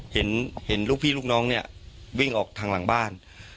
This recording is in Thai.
เห็นลูกพี่ลูกน้องเนี่ยวิ่งออกทางหลังบ้าน